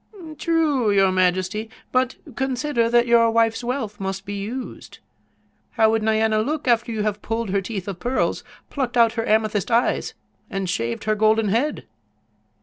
"True, your majesty. But consider that your wife's wealth must be used. How would Nyana look after you have pulled her teeth of pearls, plucked out her amethyst eyes and shaved her golden head?"